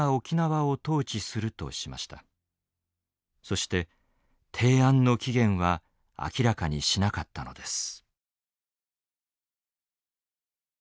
そして提案の期限は明らかにしなかったのです。